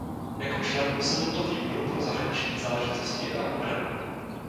Jako člen usedl do výboru pro zahraniční záležitosti a obranu.